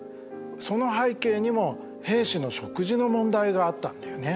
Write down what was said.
その背景にも兵士の食事の問題があったんだよね。